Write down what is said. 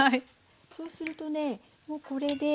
そうするとねもうこれで。